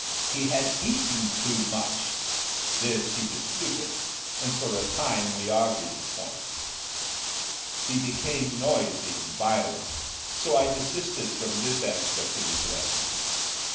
He had eaten too much. This he disputed, and for a time we argued the point. He became noisy and violent, so I desisted from this aspect of his lesson.